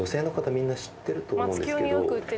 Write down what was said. みんな知ってると思うんですけど。